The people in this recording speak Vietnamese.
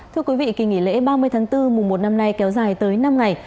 thưa quý vị kỳ nghỉ lễ ba mươi tháng bốn mùa một năm nay kéo dài tới năm ngày